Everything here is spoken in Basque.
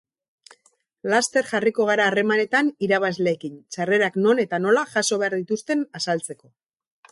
Laster jarriko gara harremanetan irabazleekin sarrerak non eta nola jaso behar dituzten azaltzeko.